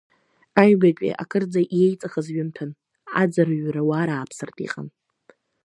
Аҩбатәи акырӡа еиҵыхыз ҩымҭан, азыӡырҩра уарааԥсартә иҟан.